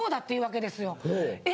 「え？